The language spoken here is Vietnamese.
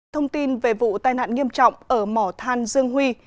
thông tin về vụ tai nạn nghiêm trọng ở mỏ than dương huy